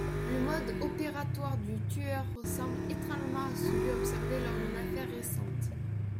Le mode opératoire du tueur ressemble étrangement à celui observé lors d'une affaire récente.